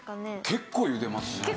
結構ゆでますね。